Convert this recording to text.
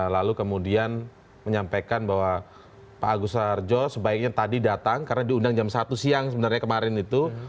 lalu kemudian menyampaikan bahwa pak agus sarjo sebaiknya tadi datang karena diundang jam satu siang sebenarnya kemarin itu